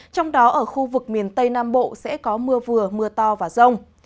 trong đó ở khu vực miền tây nam bộ sẽ có mưa vừa mưa to và rông